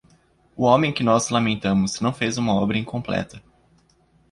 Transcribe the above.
O homem que nós lamentamos não fez uma obra incompleta.